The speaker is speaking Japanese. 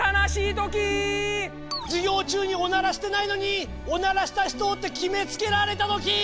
授業中におならしてないのに「おならした人」と決めつけられたときー！